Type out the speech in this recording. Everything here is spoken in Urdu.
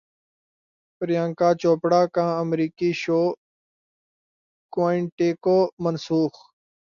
پریانکا چوپڑا کا امریکی شو کوائنٹیکو منسوخ